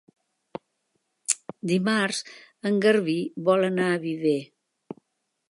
Dimarts en Garbí vol anar a Viver.